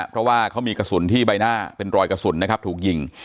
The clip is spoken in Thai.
เพราะว่าเขามีกระสุนที่ใบหน้าเป็นรอยกระสุนนะครับถูกยิง